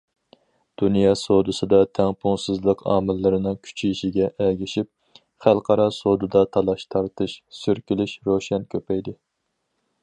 دۇنيا سودىسىدا تەڭپۇڭسىزلىق ئامىللىرىنىڭ كۈچىيىشىگە ئەگىشىپ، خەلقئارا سودىدا تالاش- تارتىش، سۈركىلىش روشەن كۆپەيدى.